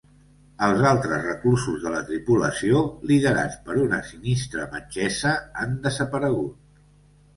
Els altres reclusos de la tripulació, liderats per una sinistra metgessa, han desaparegut.